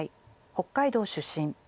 北海道出身。